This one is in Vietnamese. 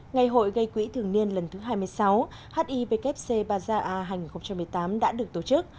ngày hội gây quỹ thường niên lần thứ hai mươi sáu hivkc baza a hai nghìn một mươi tám đã được tổ chức